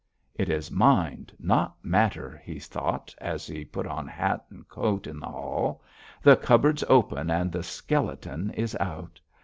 'It is mind, not matter,' he thought, as he put on hat and coat in the hall; 'the cupboard's open and the skeleton is out.